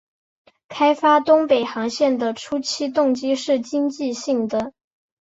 开发东北航线的初期动机是经济性的。